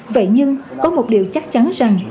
vậy nhưng có một điều chắc chắn rằng